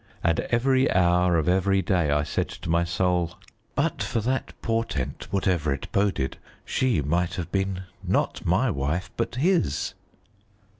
And every hour of every day I said to my soul "But for that portent, whatever it boded, she might have been not my wife but his."